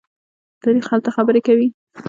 تاریخ هلته خبرې کوي.